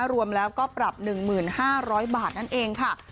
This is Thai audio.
รวมแล้วก็ปรับ๑๕๐๐บาทนั่นเองค่ะ